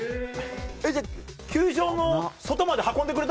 えっじゃあ球場の外まで運んでくれたの？